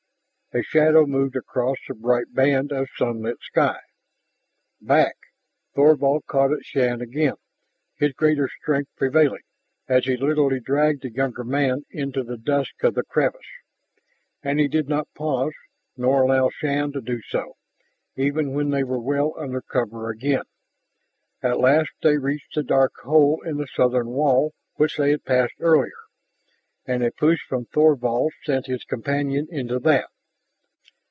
A shadow moved across the bright band of sunlit sky. "Back!" Thorvald caught at Shann again, his greater strength prevailing as he literally dragged the younger man into the dusk of the crevice. And he did not pause, nor allow Shann to do so, even when they were well undercover again. At last they reached the dark hole in the southern wall which they had passed earlier. And a push from Thorvald sent his companion into that.